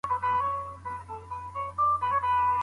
که په خپل سري ډول کورونه جوړ نسي، نو کوڅې نه تنګیږي.